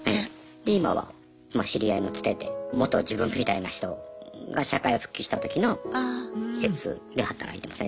で今は知り合いのつてで元自分みたいな人が社会復帰した時の施設で働いてますね。